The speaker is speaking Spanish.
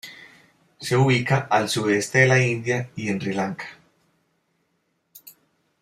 Se ubica al sudeste de la India y en Sri Lanka.